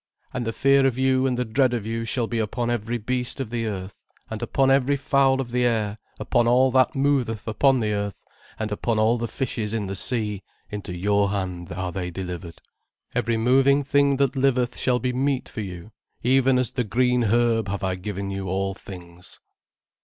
"And the fear of you and the dread of you shall be upon every beast of the earth, and upon every fowl of the air, upon all that moveth upon the earth, and upon all the fishes in the sea; into your hand are they delivered. "Every moving thing that liveth shall be meat for you; even as the green herb have I given you all things."